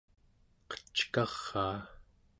qeckaraa